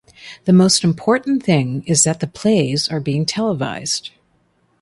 The most important thing is that the plays are being televised.